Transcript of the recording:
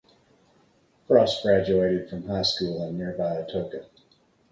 Frost graduated from high school in nearby Atoka.